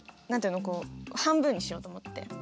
何て言うの半分にしようと思って。